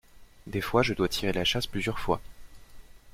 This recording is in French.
Des fois je dois tirer la chasse plusieurs fois.